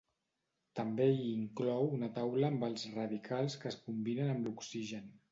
També hi inclou una taula amb els radicals que es combinen amb l'oxigen.